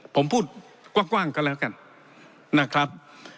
ผมพูดกว้างก็แล้วกันนะครับ